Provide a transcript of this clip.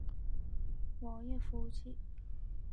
网页服务器。